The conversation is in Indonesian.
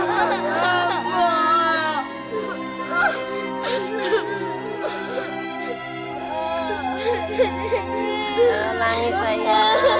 tidak hati hati ya